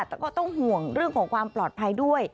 แต่ก็ต้องห่วงเรื่องของความปลอดภัยด้วย